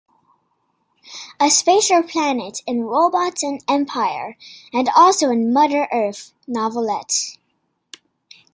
A Spacer planet in "Robots and Empire" and also in "Mother Earth" novelette.